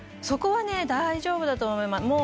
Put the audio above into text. そこはね、大丈夫だと思います。